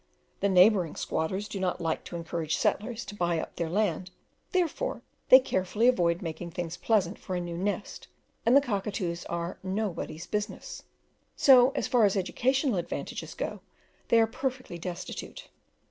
The neighbouring squatters do not like to encourage settlers to buy up their land, therefore they carefully avoid making things pleasant for a new "nest," and the Cockatoos are "nobody's business;" so, as far as educational advantages go, they are perfectly destitute.